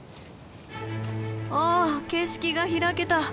お景色が開けた！